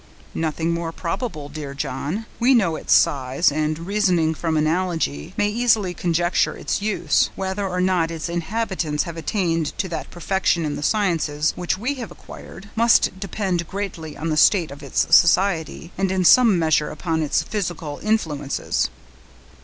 "Nothing more probable, dear John; we know its size and, reasoning from analogy, may easily conjecture its use. Whether or not its inhabitants have attained to that perfection in the sciences which we have acquired, must depend greatly on the state of its society, and in some measure upon its physical influences."